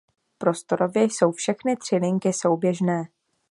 Prostorově jsou všechny tři linky souběžné.